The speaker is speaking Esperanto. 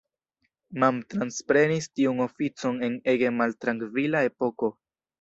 Mann transprenis tiun oficon en ege maltrankvila epoko.